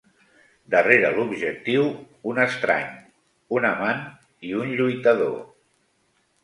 Darrera l'objectiu, un estrany, un amant i un lluitador...